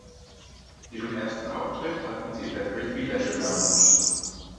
Ihren ersten Auftritt hatten sie in der "Frisbee Leisure Lounge".